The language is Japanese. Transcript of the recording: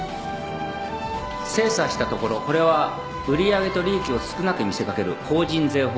精査したところこれは売り上げと利益を少なく見せかける法人税法違反。